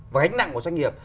và gánh nặng của doanh nghiệp